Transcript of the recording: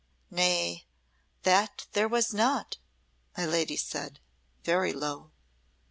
"Nay, that there was not," my lady said, very low.